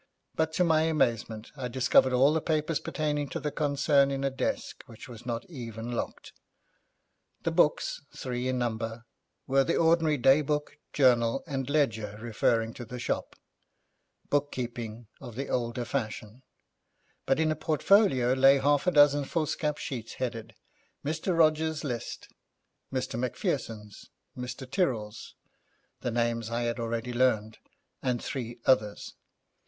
But to my amazement I discovered all the papers pertaining to the concern in a desk which was not even locked. The books, three in number, were the ordinary day book, journal, and ledger referring to the shop; book keeping of the older fashion; but in a portfolio lay half a dozen foolscap sheets, headed 'Mr. Rogers's List', 'Mr. Macpherson's', 'Mr Tyrrel's', the names I had already learned, and three others.